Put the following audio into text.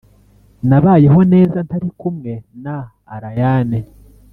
nabayeho neza ntarikumwe na allayne.